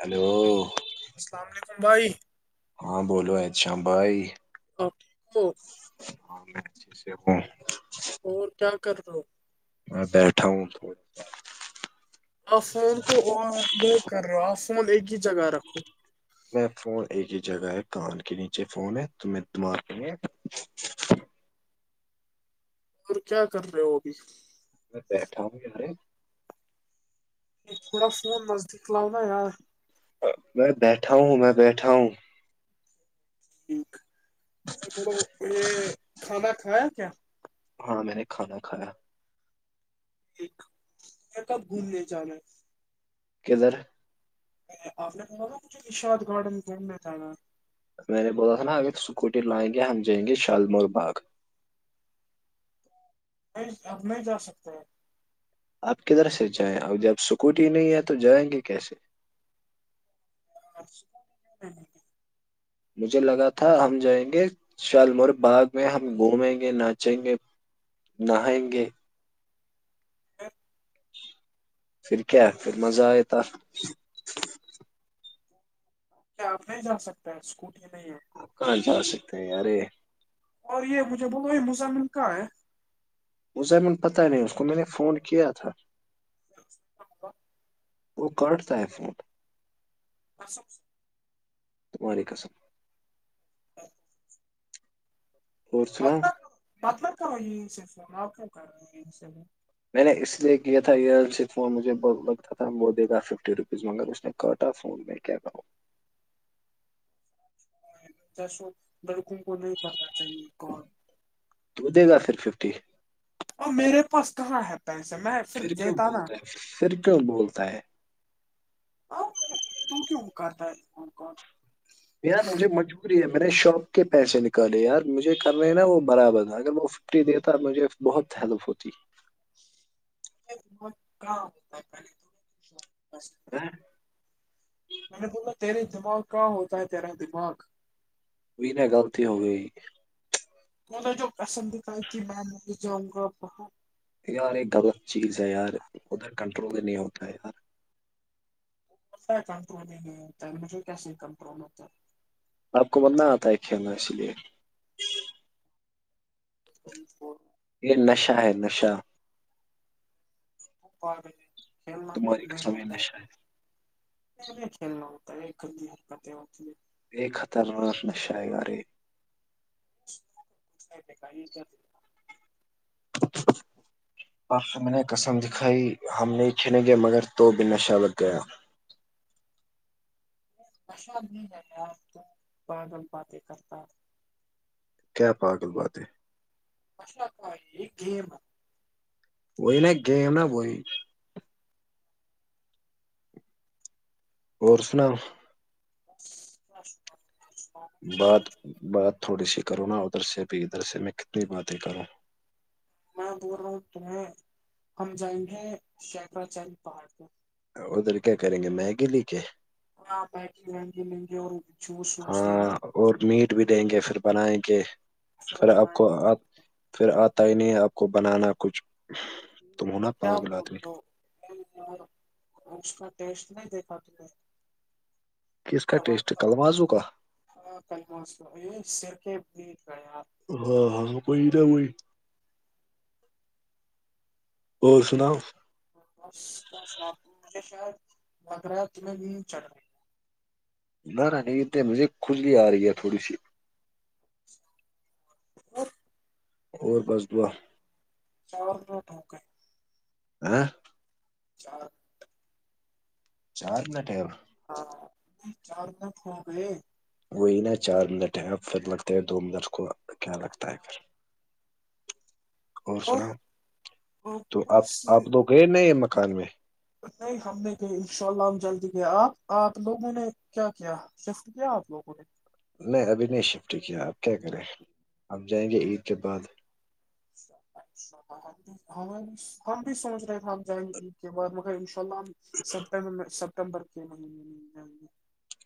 hello hello السلام علیکم بھائی ہاں بولو ہے شم بھائی اوکے ہاں میں س کو اور کیا کر دو میں بیٹھا ہوں آپ فون کو یہ کر رہے ہو آپ فون ایک ہی جگہ رکھو میں فون ایک ہی جگہ ہے کان کے نیچے فون ہے تم دمار اور کیا کر رہے وہ ابھی میں بیٹھا ہوں گیے ایک تھوڑا فون نزدیک لاؤ نا یار میں بیٹھا ہوں میں بیٹھا ہوں میں تو یہ کھانا کھایا کیا ہاں میں نے کھانا کھایا ایک کب گھومنے جانا ہے کدھر آپ نے کہا تھا مجھے نشاد گارڈن گھومنے تھا نا میں نے بولا تھا نا اگر اسکوٹیر لائیں گے ہم جائیں گے شالمگر باغ نہیں اب نہیں جا سکتے ہیں آپ کدھر سے جائیں اور جب اسکوٹی نہیں ہے تو جائیں گے کیسے [inaudible] مجھے لگا تھا ہم جائیں گے شالمور باغ میں ہم گھومیں گے ناچیں گے نہائیں ہاں پھر کیا پھر مزہ آئےتا آپ نہیں جا سکتا اسکوٹی نہیں ہے کان جا سکتے ہے یار اور یہ مجھے بولو مسمن کا ہے وہ زمن پتہ نہیں اس کو میں نے فون کیا تھا [inaudible] وہ کرٹتا ہے ایکسمٹ اور سب سے وعلیکمسلام [inaudible] اور سناؤ مطلب مطلب کر رہی ان سے آ کر رہی ان سے میں نے اس لیے کیا تھا یہئرل فون مجھے بت لگتا تھا وہ دے گا ففٹی روپیز مگر اس نے کاٹا فون بھی کیا جسو لڑکوں کو نہیں کرنا چاہیے اور تو دے گا پھر ففٹی میرے پاس کہاں ہےتا ایسے میں پھر کیوں دیتا نا بولتا ہے پھر کیوں بولتا ہے تو کیوں کرتا ہے کون کون یار مجھے مجبوری ہے میں نے شاپ کے پیسے نکالے یار مجھے کر رہے ہیں نا وہ برابر ہے اگر وہ چری دیتا مجھے بہت ہیلپ ہوتی وہی تا میں نے بوولنا تیرے دماغ کا ہوتا ہے تیرا دماغ بھی غلطی ہو گئی نے جو پسند کا کہ میں نہیں جاؤں گا بت یار یہ غلط چیز ہے یار اھر کنٹرول ہی نہیں ہوتا یار کنٹرول نہیں ہوتا ہے مجھے کیسے کنٹرول ہوتا ہے آپ کو بدنا آتا ہے کھیلنا اسی لیے [inaudible] یہ نشہ ہے نشہ پارک میں کھیلنا تمہاری کودنا قسم یہ میں نشہ ابھی کھیل رہا ہوں ہوتی ہے یہ خطرناک نشہ والے دکھائیے کیا د [inaudible] آپ میں نے قسم دکھائی ہم نہیں چھنیں گے مگر تو ب نشہ لگ گیا نشہ نہیں بادل پاتے کرتا کیا پاگل بات ہے اشا کا یہ گیم وہی نا گیم وہی اور سناؤ [inaudible] بات بات تھوڑی سی کروں نا ادھر سے بھی ادھر سے میں کتنی باتیں کروں میں بول رہا ہوں تمہیں ہم جائیں گے شنکراچاری پہاڑ پر ادھر کیا کریں گے میگ لے گے ہاں میگ مینگے لے گے اور جوس ووس لیں ہاں گے اور میٹ بھی دیں گے پھر بنائیں گے پھر آپ بنائیں کو آپ گے پھر آتا ہی نہیں آپ کو بنانا کچھ تم ہو نا کیا پاگل بول آدمی اس کا ٹیسٹ نہیں دیکھا تم نے کس کا ٹیسٹ ہے کلمازو کا ہاں کل موسم سیفٹی فیل رہے آپ ہاں وہی نہ وہی اور سناؤ بس مجھے لگ رہا ہے تجھے شاید نیند چڑھ رہی ہے نہ نہ نیند نہیں یہ تو مجھے خجلی آرہی ہے تھوڑی سی اور اور بس دعا چاول رکھو دھوکے [unintelligible] چار چار منٹ ہے ہاں چار لک ہو گئے وہی نا چار منٹ ہے اب فھر لگتے ہے دو منٹ کو کیا لگتا ہے پھر اور سنا تو آپ آپ تو گئے ن یہ مکان میں نہیں ہم نے بھی ان شاء اللہ ہم جلدی گئے آپ آپ لوگوں نے کیا کیا [unintelligible] میں ابھی نہیں شفٹ کیا آپ کیا کریں اب جائیں گے عید کے بعد ہم بھی سوچ رہے تھے آجائیں عید کے بعد مگر فام سمبر سپتمبر کے مہینے میں جیں گے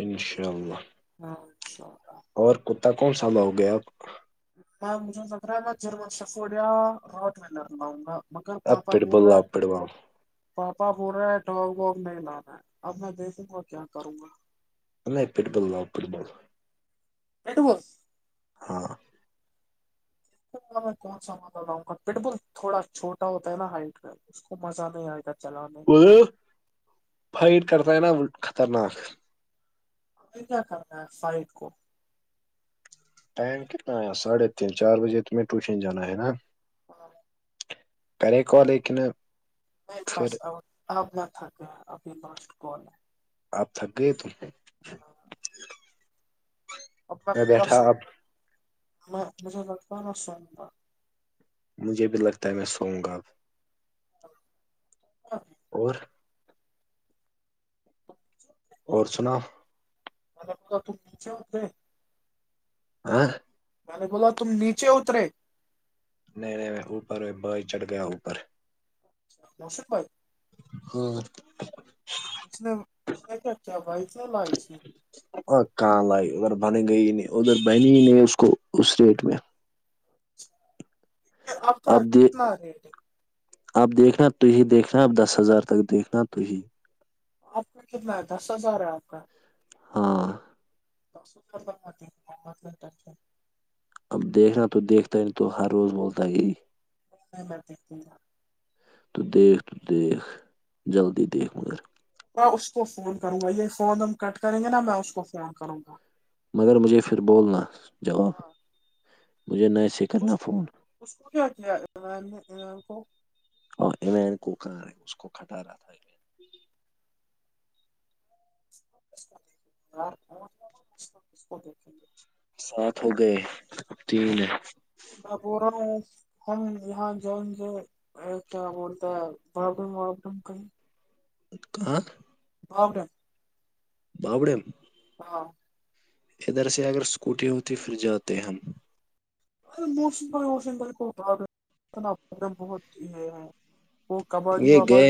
انشاء اللہ ہاں اچھاا اور کتا کون سال لاوگے اب ہاں مجھے لگ رہا ہے میں جرم شفیارٹ میں لرناؤں گا مگر اب پاپا پٹ بول بل رہا لاؤ ہے پٹ بال پاپا بول رہے ہے ڈوگ ووگ نہیں لانا ہے اب میں دیکھوں گا کیا کروں گا نہیں پٹ بول لاؤ پٹ بول پٹ بل ہاں میں کون سا مانا لاؤں گا پٹ بل تھوڑا چھوٹا ہوتا ہے نا ہائٹ میں اس کو مزہ نہیں آ جاتا وہ فائٹ کرتا ہے نا وہ خطرناک ا کیا کرنا ہے فائٹ کو ٹائم کتنا ہے ساڑھے تین چار بجے تمہیں ٹیوشن جانا ہے نا ہاں کر کو لیکن میرے پاس پھر آؤٹ آپ نہ تھک گ اھی لاسٹ کال ہے آپ تھک گئے ت ہاں اپنا میں تھا بیٹھا سو اب میں مجھے لگتاا نہ سوا مجھے بھی لگتا ہے میں سوؤں گا اب اور [inaudible] اور سناؤ [unintelligible] آاں میں نے بولا تم نیچے اترے نہیں نہیں میں اوپر بائی چڑھ گیا اوپر نوشق بھائی ہوں اس نے اس کیا کیا بھائی چلا اس اس نے اور کہاں لائی ادھر بن گئی نہیں ادھر بنی ہی نہیں اس کو اس ریٹ میں آ کا اب د کتنا ریٹ اب دیکھنا تی دیکھنا اب دس ہزار تک دیکھنا تی آپ کا کتنا ہے دس ہزار ہے آپ کا ہوں ٹر اب دیکھنا تو دیکھتا ہی نہیں تو ہر روز بولتا ہے یہی متیتیین تو دیھ تو دیھ جلدی دھ مگر میں اس کو فون کروں گا یہی فون ہم کٹ کریں گے نا میں اس کو فون کروں گا مگر مجھے پھر بولنا جواب ہاں مجھے نسے کرنا اس فون اس کو کیا کیا کو اور ایمین کو کار ہے اس کو کھٹا رہا تھا اس کو دیکیں گے سات ہو گئے تین ب پورا ہم یہاں جائیں گے کیا بولتا ہے برڈوم وڈمیں کہاں باؤٹر بابڑ ہاں ادھر سے اگر اسکوٹی ہوتی پھر جاتے ہم ا موشن بھائی ووشن بھائی کو بہت یہ ہے وہ کبڈی یہ گیا وباڈی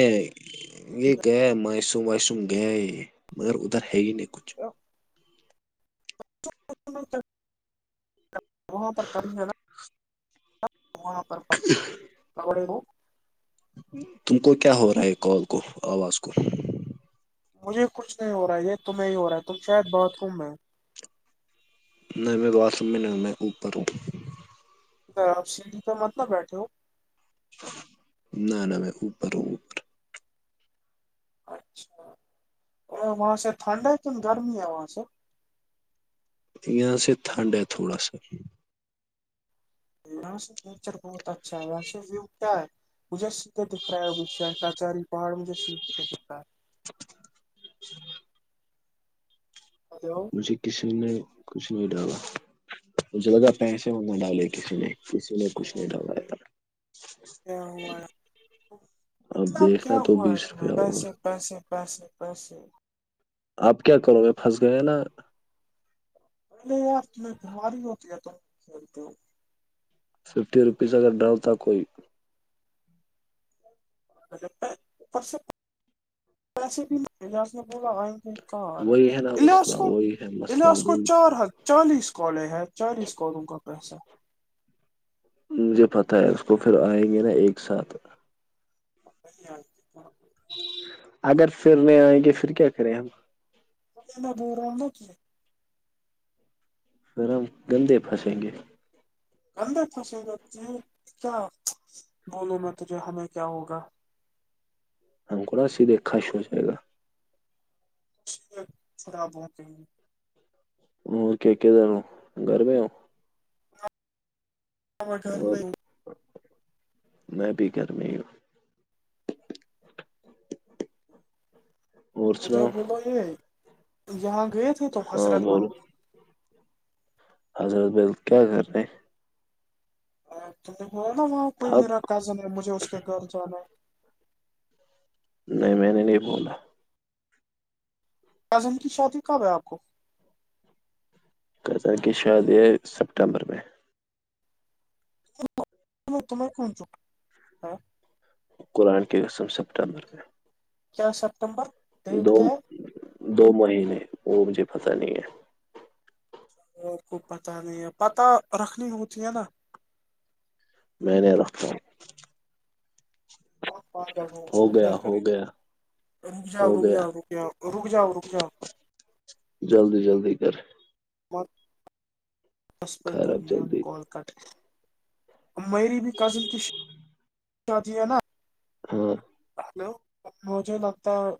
یہ گیا مسروم وائسروم گیا مگر ادھر ہی ن تو وہاں پر کمی ہے نا خبڑے وہ تم کو کیا ہو رہا ہے کال کو آواز کو مجھے کچھ نہیں ہو رہا ہے یہ تمہیں ہی ہو رہا ہے تم شاید باتھ روم میں نہیں میں واس روم میں نہیں میں اوپر ہوں سر آپ سڑھی کا مطلب بیٹھے ہو نہ نہ میں اوپر ہوں اچھا وہاں سے ٹھنڈ ہے کن گرمی ہے وہاں سے یہاں سے ٹھنڈ ہے تھوڑا سا- یہاں سے نیچر بہت اچھا ہے یہاں سے ویو کیا ہے- مجھے سیدھے دکھ رہا ہے ا شکچاری پہاڑ مجھے سیدھے دکھ رہا ہے- [unintelligible] ہلو مھ کسی نے کچھ نہیں ڈالا م ج جگہ پیسے ان نہ ڈالے کسی نے- کسی میں کچھ نہیں ڈرایا تھا کیا ہوا ہے اب اتنا دیکھنا کیا تو ہوا ہے بیس تمہیں روپیہ اور پیسے پسے پسے پسے اب کیا کرو میں پھنس گیا نا پہلے یار تیں بیماری ہوتی ہے ت تو ففٹی روپیز اگر ڈالتا کوئی اچا پیسے بھی نہیں جا اس نے بولا آائیں تھے- کار وہی ہے نا ا لی اس مسئلہ کو وہی ہے ا مسئلہ اس کو وہی چار حق چالیس کڑے ہیں چالیس کالوں کا پیسہ- مجھے پتہ ہے اس کو پھر آئیں گے نا ایک ساتھ- سی اگر پرنے آئیں گے, پھر کیا کریں ہم ب روما کی- پھر ہم گندے پھنسیں گے- گدے پھنسے گ تجے کیا بولو ن تجھے ہمیں کیا ہوگا- اننکوڑا سیدے خاش ہو جائے گا- ت خراب ہوتے ہیں- اور کیکے د ن گھر میں ہو- ہم گھر اور میں- میں بھی گھرمی ہوں- ہوں اور مجھے سناؤ بولو یہ یہاں گئے تھے تم ہاں حضرت بولو بل- حضرت بل کیا کر رہے ہیں- نا وہاں کوئی تھپ میرا کزن ہے مجھے اس کے گھر جانا ہے- نہیں میں نے نہیں بولا- ازم کی شادی کب ہے آپ کو- کتن کی شاد ہے سپتمبر میں- تم کون چ- قرآن کی قسم سپٹمبر میں- کیا سپتمبر ڈیٹ کیا دو- ہے دو مہینے وہ مجھے پتہ نہیں ہے- آپ کو پتہ نہیں ہے پتہ رکھنی ہوتی ہے نا- میں نے رکھا آ جا اس ہو کو گیا کیا ہو کرے گا گیا رک جاؤ ہو رک گیا جاؤ رک جاؤ رک جاؤ رک جاؤ- جلدی- جلدی کریں س پہ خیر کر اب گ ہم جلدی کال- کٹ میری بھی کزن کی شی ہے نا- ہاں ہلو مجھے لگتا ہے-